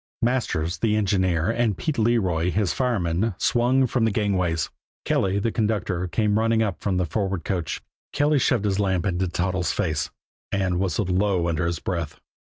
Masters, the engineer, and Pete Leroy, his fireman, swung from the gangways; Kelly, the conductor, came running up from the forward coach. Kelly shoved his lamp into Toddles' face and whistled low under his breath.